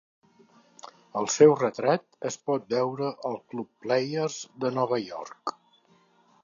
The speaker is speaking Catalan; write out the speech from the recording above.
El seu retrat es pot veure al club Players de Nova York.